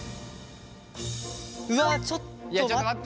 うわちょっと待って。